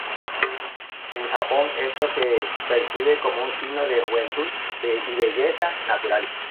En Japón, esto se percibe como un signo de juventud y belleza natural.